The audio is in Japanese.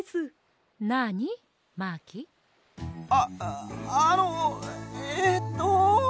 ああのえっと。